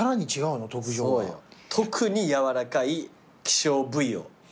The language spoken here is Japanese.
特にやわらかい希少部位を。